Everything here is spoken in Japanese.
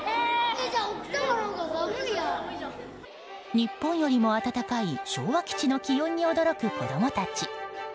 日本よりも暖かい昭和基地の気温に驚く子供たち。